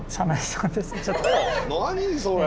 何それ。